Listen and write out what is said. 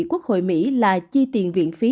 quốc hội mỹ là chi tiền viện phí